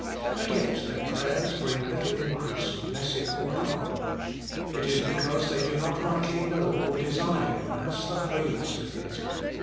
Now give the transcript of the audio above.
And yet their prayers bring little increase of blessing or power. It is because they do not rightly know or desire Him as the Holy Spirit.